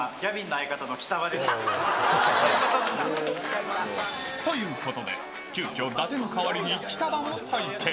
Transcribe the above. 相方じゃん。ということで、急きょ、伊達の代わりにきたばも体験。